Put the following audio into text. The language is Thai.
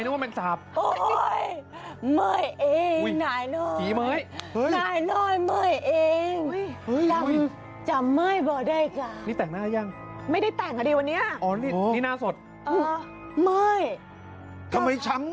ดูตกใจนะว่ามันสหาป